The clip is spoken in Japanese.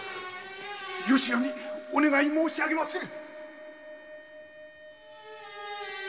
〔よしなにお願い申し上げまする〕